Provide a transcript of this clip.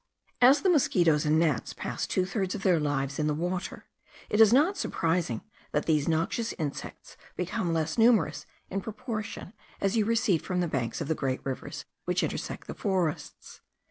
As the mosquitos and gnats pass two thirds of their lives in the water, it is not surprising that these noxious insects become less numerous in proportion as you recede from the banks of the great rivers which intersect the forests.